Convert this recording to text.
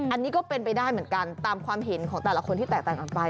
อันนี้ก็เป็นไปได้เหมือนกันตามความเห็นของแต่ละคนที่แตกต่างกันไป